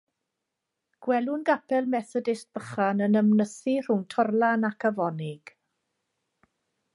Gwelwn gapel Methodist bychan yn ymnythu rhwng torlan ac afonig.